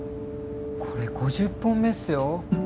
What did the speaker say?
これ５０本目っすよ。